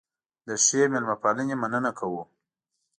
د ښې مېلمه پالنې مننه کوو.